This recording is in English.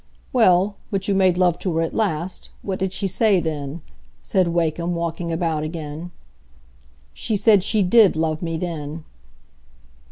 "Well, but you made love to her at last. What did she say then?" said Wakem, walking about again. "She said she did love me then."